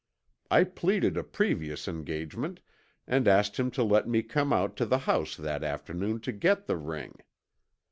I pleaded a previous engagement, and asked him to let me come out to the house that afternoon to get the ring.